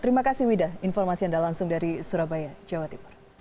terima kasih widah informasi yang dalam langsung dari surabaya jawa timur